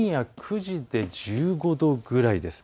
今夜９時で１５度くらいです。